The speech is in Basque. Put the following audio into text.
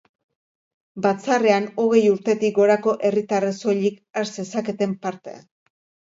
Batzarrean, hogei urtetik gorako herritarrek soilik har zezaketen parte.